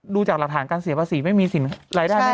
ดูจากหลักฐานการเสียบัสสีไม่มีสินรายได้